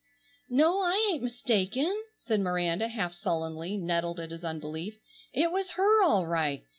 "No, I ain't mistaken," said Miranda half sullenly, nettled at his unbelief. "It was her all right.